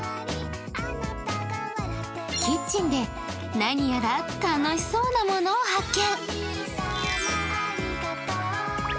キッチンで何やら楽しそうなものを発見。